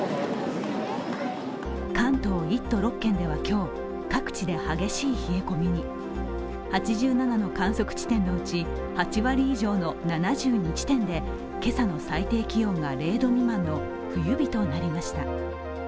関東１都６県では今日、各地で激しい冷え込みに８７の観測地点のうち８割以上の７２地点で今朝の最低気温が０度未満の冬日となりました。